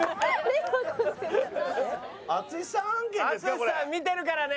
淳さん見てるからね。